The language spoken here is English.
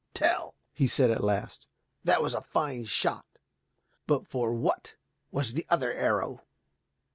"Tell," he said at last, "that was a fine shot, but for what was the other arrow?"